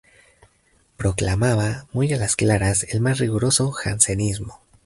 Proclamaba muy a las claras el más riguroso jansenismo.